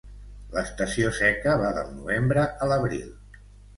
L'estació seca va del novembre a l'abril.